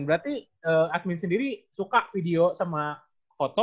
berarti admin sendiri suka video sama foto